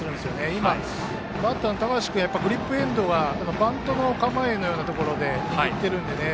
今、バッターの高橋君はグリップエンドをバントの構えのようなところで握っているのでね。